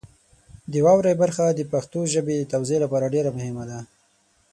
د واورئ برخه د پښتو ژبې د توزیع لپاره ډېره مهمه ده.